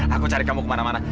aku cari kamu kemana mana